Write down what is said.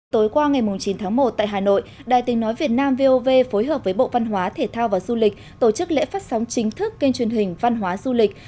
tối qua ngày chín tháng một tại hà nội đài tình nói việt nam vov phối hợp với bộ văn hóa thể thao và du lịch tổ chức lễ phát sóng chính thức kênh truyền hình văn hóa du lịch